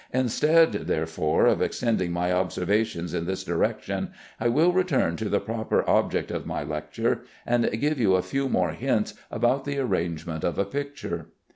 Instead, therefore, of extending my observations in this direction, I will return to the proper object of my lecture and give you a few more hints about the arrangement of a picture.